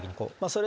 それ。